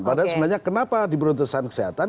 padahal sebenarnya kenapa di peruntusan kesehatan